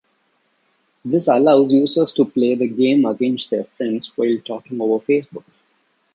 This allows users to play the game against their friends while talking over Facebook.